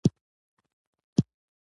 ما غوښتل کولمې مې تشي وي.